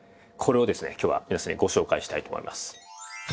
これをですね今日は皆さんにご紹介したいと思います。